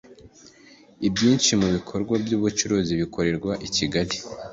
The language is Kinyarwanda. Ibyinshi mu ibikorwa by’ ubucuruzi bikorerwa I Kigali